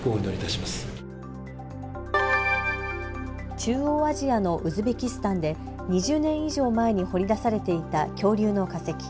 中央アジアのウズベキスタンで２０年以上前に掘り出されていた恐竜の化石。